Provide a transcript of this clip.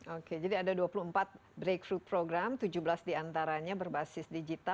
oke jadi ada dua puluh empat breakrut program tujuh belas diantaranya berbasis digital